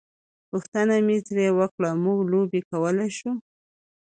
پوښتنه مې ترې وکړه: موږ لوبې کولای شو؟